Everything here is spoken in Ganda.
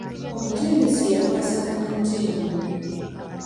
Omutendesi yakwasaganya ttiimu.